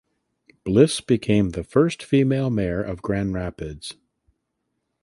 Bliss became the first female mayor of Grand Rapids.